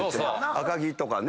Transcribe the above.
赤城とかね